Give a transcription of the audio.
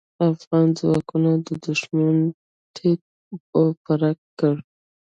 افغان ځواکونو دوښمن تيت و پرک کړ.